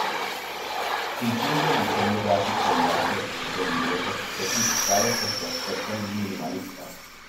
Incluso el diseño gráfico y arte del libreto fue criticado por su aspecto minimalista.